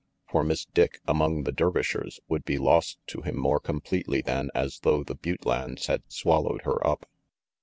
For Miss Dick, among the Dervishers, would be lost to him more completely than as though the butte lands had swallowed her up.